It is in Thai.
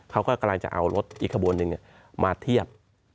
เขาก็กำลังจะเอารถอีกขบวนหนึ่งมาเทียบ